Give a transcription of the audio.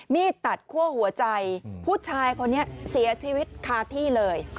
มีดตัดคั่วหัวใจผู้ชายคนนี้เสียชีวิตคาที่เลย